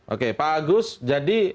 oke pak agus jadi